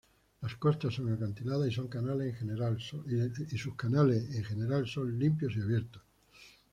Las costas son acantiladas y sus canales, en general son limpios y abiertos.